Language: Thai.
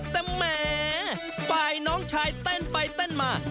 แต่แหมฝ่ายน้องชายเต้นไปเต้นมา